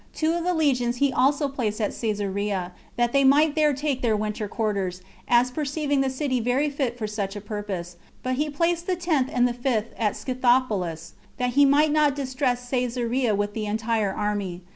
Two of the legions also he placed at Cesarea, that they might there take their winter quarters, as perceiving the city very fit for such a purpose; but he placed the tenth and the fifth at Scythopolis, that he might not distress Cesarea with the entire army.